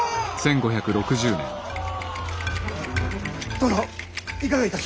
殿いかがいたす。